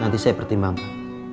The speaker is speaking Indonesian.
nanti saya pertimbang pak